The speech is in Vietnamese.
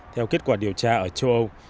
theo kết quả điều tra ở châu âu